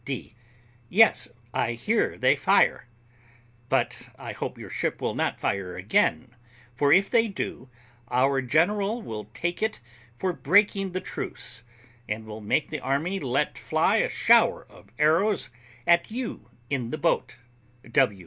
] D. Yes, I hear they fire; but I hope your ship will not fire again; for, if they do, our general will take it for breaking the truce, and will make the army let fly a shower of arrows at you in the boat.